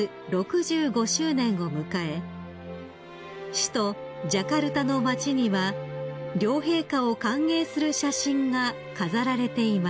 首都ジャカルタの街には両陛下を歓迎する写真が飾られていました］